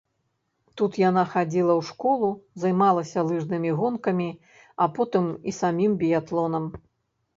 Тут яна хадзіла ў школу, займалася лыжнымі гонкамі, а потым і самім біятлонам.